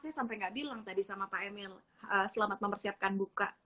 saya sampai nggak bilang tadi sama pak emil selamat mempersiapkan buka